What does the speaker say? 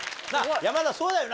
山田そうだよな。